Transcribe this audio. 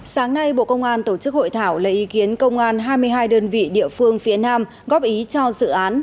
sáng nay bộ công an tổ chức hội thảo lấy ý kiến công an hai mươi hai đơn vị địa phương phía nam góp ý cho dự án